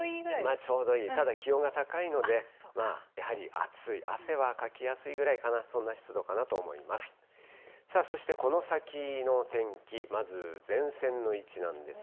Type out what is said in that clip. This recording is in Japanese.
ちょうどいい、ただ、気温が高いので、やはり暑い、汗はかきやすいぐらいかな、そんな湿度かなと思います。